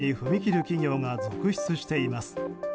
他にも再値上げに踏み切る企業が続出しています。